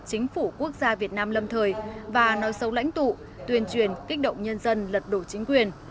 chính phủ quốc gia việt nam lâm thời và nói xấu lãnh tụ tuyên truyền kích động nhân dân lật đổ chính quyền